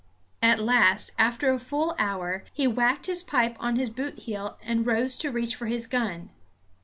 At last, after a full hour, he whacked his pipe on his boot heel and rose to reach for his gun.